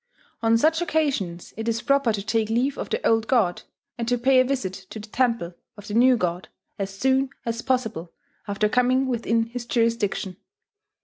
On such occasions it is proper to take leave of the old god, and to pay a visit to the temple of the new god as soon as possible after coming within his jurisdiction.